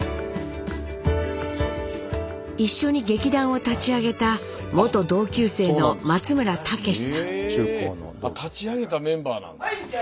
一緒に劇団を立ち上げた元同級生の立ち上げたメンバーなんだ。